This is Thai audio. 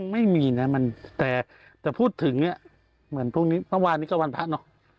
ไม่มีนะแต่พูดถึงเนี่ยเหมือนพรุ่งนี้เมื่อวานนี้ก็วันพระเนอะ